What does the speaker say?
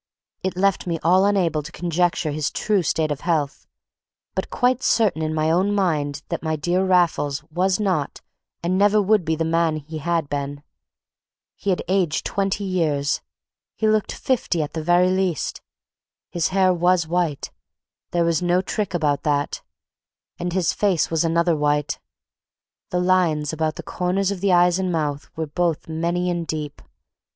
It left me all unable to conjecture his true state of health, but quite certain in my own mind that my dear Raffles was not and never would be the man that he had been. He had aged twenty years; he looked fifty at the very least. His hair was white; there was no trick about that; and his face was another white. The lines about the corners of the eyes and mouth were both many and deep.